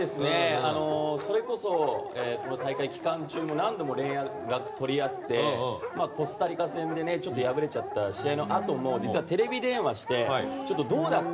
それこそ、この大会期間中も何度も連絡を取り合ってコスタリカ戦で敗れちゃった試合のあとも実はテレビ電話してどうだった？